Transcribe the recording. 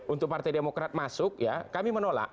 untuk partai demokrat masuk ya kami menolak